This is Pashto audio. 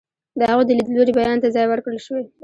د هغوی د لیدلوري بیان ته ځای ورکړل شوی.